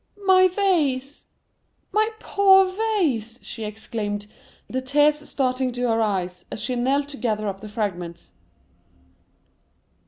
"My vase,—my poor vase!" she exclaimed, the tears starting to her eyes, as she knelt to gather up the fragments.